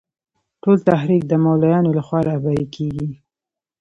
ټول تحریک د مولویانو له خوا رهبري کېږي.